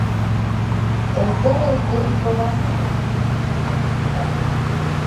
Es terrestre y probablemente nocturno y solitario.